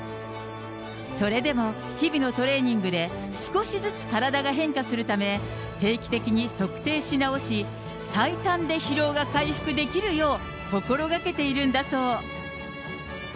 それでも日々のトレーニングで少しずつ体が変化するため、定期的に測定し直し、最短で疲労が回復できるよう、心がけているんだそう。